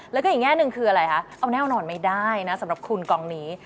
แล้วก็อีกแง่หนึ่งคืออะไรคะเอาแน่นอนไม่ได้นะสำหรับคุณกองนี้